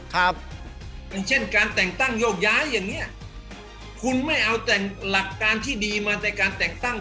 ครับอย่างเช่นการแต่งตั้งโยกย้ายอย่างเงี้ยคุณไม่เอาแต่หลักการที่ดีมาแต่การแต่งตั้ง